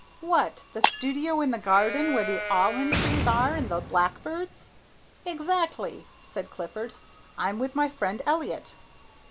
"What the studio in the garden where the almond trees are and the blackbirds " "Exactly," said Clifford. "I'm with my friend Elliott."